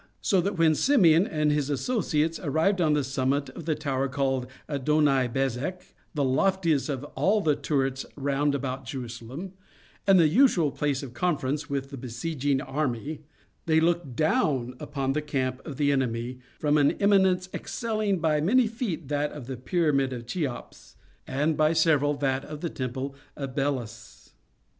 So that when Simeon and his associates arrived on the summit of the tower called Adoni Bezek—the loftiest of all the turrets around about Jerusalem, and the usual place of conference with the besieging army—they looked down upon the camp of the enemy from an eminence excelling by many feet that of the Pyramid of Cheops, and, by several, that of the temple of Belus.